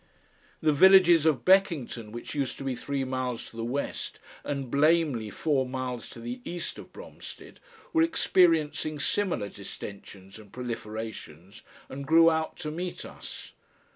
The villages of Beckington, which used to be three miles to the west, and Blamely four miles to the east of Bromstead, were experiencing similar distensions and proliferations, and grew out to meet us.